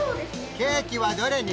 ケーキはどれに？